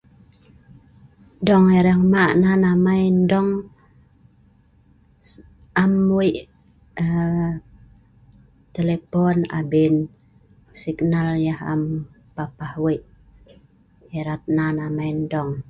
dong erang ma' nan amai n'dong am weik um telepon abin signal yeh am papah weik erat nan amei n'dong